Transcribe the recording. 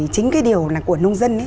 chính cái điều của nông dân